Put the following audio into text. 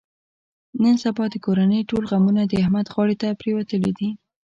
نن سبا د کورنۍ ټول غمونه د احمد غاړې ته پرېوتلي دي.